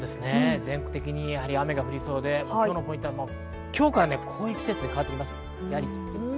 全国的に雨が降りそうで、今日のポイントは、今日からこういう季節に変わります。